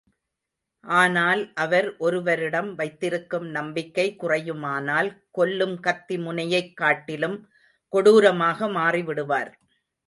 ஆனால் அவர் ஒருவரிடம் வைத்திருக்கும் நம்பிக்கை குறையுமானால், கொல்லும் கத்தி முனையைக் காட்டிலும் கொடுரமாக மாறிவிடுவார்.